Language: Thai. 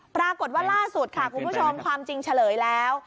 ปรากฏว่าล่าสุดค่ะคุณผู้ชมความจริงเฉลยแล้ว